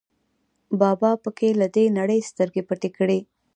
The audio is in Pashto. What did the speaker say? بابا په کې له دې نړۍ سترګې پټې کړې.